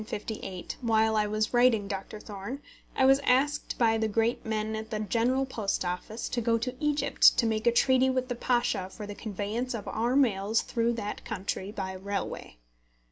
] Early in 1858, while I was writing Doctor Thorne, I was asked by the great men at the General Post Office to go to Egypt to make a treaty with the Pasha for the conveyance of our mails through that country by railway.